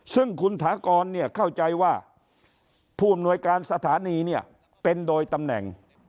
ซึ่งคุณถากรเข้าใจว่าผู้อำนวยการสถานีเนี่ยเป็นโดยตำแหน่ง